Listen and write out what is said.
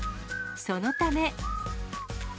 そのため。